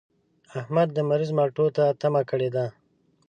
احمد د مريض مالټو ته تمه کړې ده.